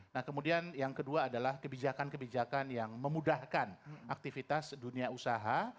nah kemudian yang kedua adalah kebijakan kebijakan yang memudahkan aktivitas dunia usaha